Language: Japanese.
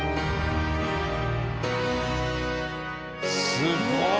すごい！